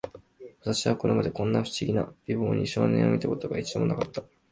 私はこれまで、こんな不思議な美貌の青年を見た事が、一度も無かった